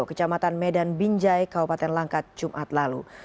kecamatan medan binjai kabupaten langkat jumat lalu